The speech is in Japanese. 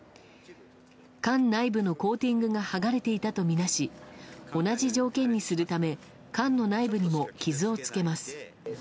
缶内部のコーティングが剥がれていたとみなし同じ条件にするため缶の内部にも傷をつけます。